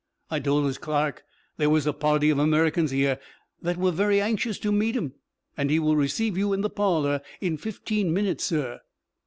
I told 'is clark there was a party of Americans 'ere that were very anxious to meet 'im, and he will receive you in the parlor in fifteen minutes, sir."